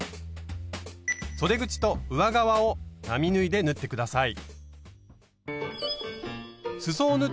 そで口と上側を並縫いで縫って下さい。